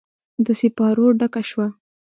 د سیپارو ډکه شوه